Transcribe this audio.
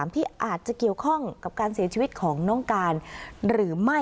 ที่อาจจะเกี่ยวข้องกับการเสียชีวิตของน้องการหรือไม่